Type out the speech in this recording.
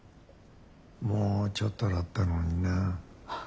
もうちょっとだったのにな。